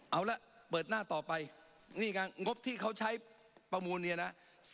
เอาละเปิดหน้าต่อไปนี่ไงงบที่เขาใช้ประมูลเนี่ยนะ